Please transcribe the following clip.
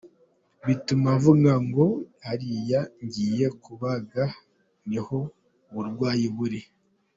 Bituma uvuga ngo hariya ngiye kubaga niho uburwayi buri.